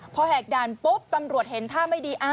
พอแหกด่านปุ๊บตำรวจเห็นท่าไม่ดี